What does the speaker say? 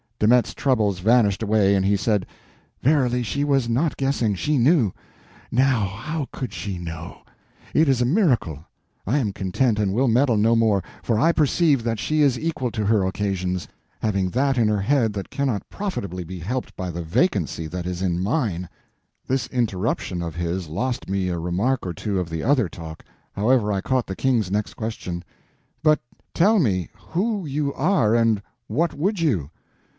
De Metz's troubles vanished away, and he said: "Verily, she was not guessing, she knew. Now, how could she know? It is a miracle. I am content, and will meddle no more, for I perceive that she is equal to her occasions, having that in her head that cannot profitably be helped by the vacancy that is in mine." This interruption of his lost me a remark or two of the other talk; however, I caught the King's next question: "But tell me who you are, and what would you?"